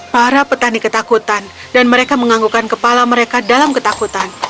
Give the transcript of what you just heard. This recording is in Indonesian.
para petani ketakutan dan mereka menganggukkan kepala mereka dalam ketakutan